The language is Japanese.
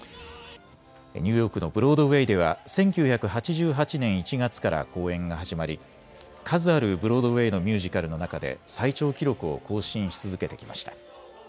ニューヨークのブロードウェイでは１９８８年１月から公演が始まり数あるブロードウェイのミュージカルの中で最長記録を更新し続けてきました。